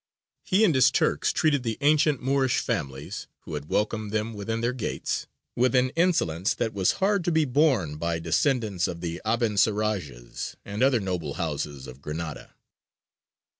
He and his Turks treated the ancient Moorish families, who had welcomed them within their gates, with an insolence that was hard to be borne by descendants of the Abencerrages and other noble houses of Granada.